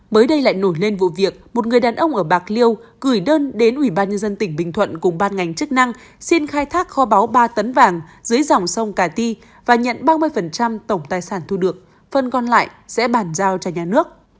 mới đây lại nổi lên vụ việc một người đàn ông ở bạc liêu gửi đơn đến ủy ban nhân dân tỉnh bình thuận cùng ban ngành chức năng xin khai thác kho báu ba tấn vàng dưới dòng sông cà ti và nhận ba mươi tổng tài sản thu được phần còn lại sẽ bàn giao cho nhà nước